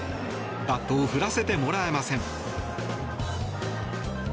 バットを振らせてもらえません。